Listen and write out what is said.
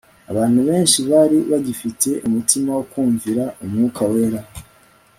Abantu benshi bari bagifite umutima wo kumvira Umwuka Wera